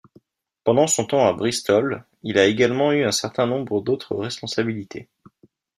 Pendant son temps à Bristol, il a également eu un certain nombre d'autres responsabilités.